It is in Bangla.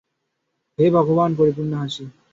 হে ভগবান, পরিপূর্ণ হাসি।